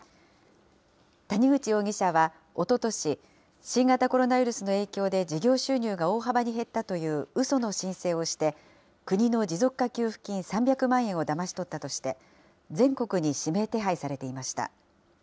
谷口容疑者はおととし、新型コロナウイルスの影響で事業収入が大幅に減ったといううその申請をして、国の持続化給付金３００万円をだまし取ったとして、全国に指名手配されていました。